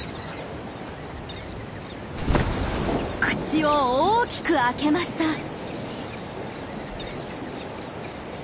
口を大きく開けました。